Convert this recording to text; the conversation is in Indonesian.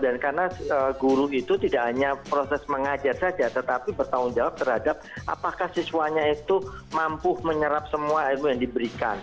dan karena guru itu tidak hanya proses mengajar saja tetapi bertanggung jawab terhadap apakah siswanya itu mampu menyerap semua ilmu yang diberikan